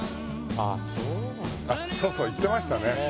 あっそうそう言ってましたね。